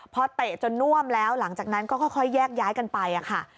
พอเตะจนน่วมแล้วหลังจากนั้นก็ค่อยแยกย้ายกันไปค่ะ